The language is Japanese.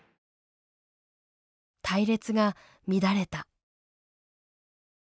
隊列が乱れた。